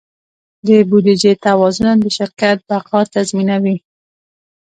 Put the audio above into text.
د بودیجې توازن د شرکت بقا تضمینوي.